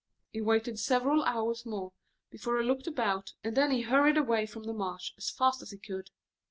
He waited several hours before he looked around him, and then hurried away from the moor as fast as he could.